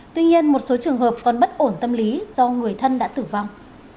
tuy nhiên một số trường hợp còn bất ổn tâm lý do người thân đã tử vong